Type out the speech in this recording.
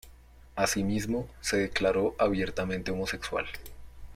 Asimismo, se declaró abiertamente homosexual.